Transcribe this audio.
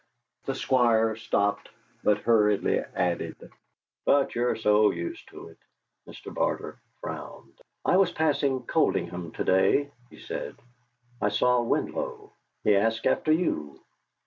The Squire stopped, then hurriedly added: "But you're so used to it." Mr. Barter frowned. "I was passing Coldingham to day," he said. "I saw Winlow. He asked after you."